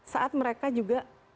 saat mereka juga menerima diri